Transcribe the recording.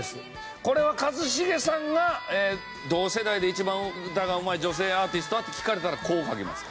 これは一茂さんが同世代で一番歌がうまい女性アーティストは？って聞かれたらこう書きますか？